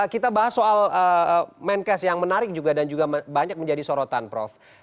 kita bahas soal menkes yang menarik juga dan juga banyak menjadi sorotan prof